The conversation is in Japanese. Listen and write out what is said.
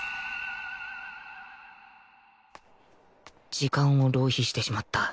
時間を浪費してしまった